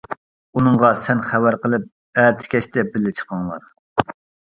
ئۇنىڭغا سەن خەۋەر قىلىپ، ئەتە كەچتە بىللە چىقىڭلار.